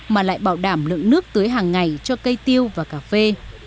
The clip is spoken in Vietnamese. mà lại bảo đảm lượng nước tưới hàng ngày cho cây tiêu và cà phê